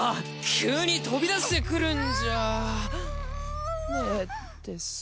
急に飛び出してくるんじゃねえです